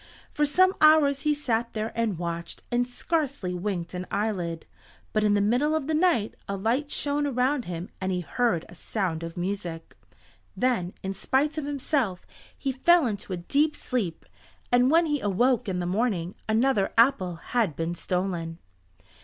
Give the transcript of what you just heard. For some hours he sat there and watched, and scarcely winked an eyelid; but in the middle of the night a light shone around him and he heard a sound of music. Then, in spite of himself, he fell into a deep sleep, and when he awoke in the morning another apple had been stolen.